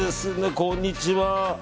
こんにちは。